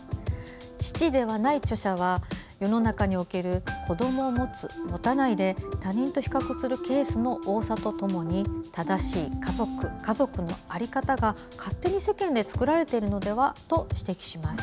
父ではない著者は世の中における子どもを持つ、持たないで他人と比較するケースの多さとともに正しい家族、家族の在り方が勝手に世間で作られているのではと指摘します。